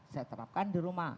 saya terapkan di rumah